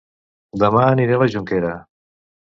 Dema aniré a La Jonquera